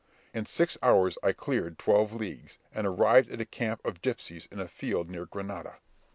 In six hours I cleared twelve leagues; and arrived at a camp of gipsies in a field near Granada.